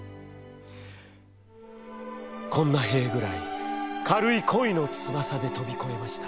「こんな塀ぐらい軽い恋の翼で飛びこえました。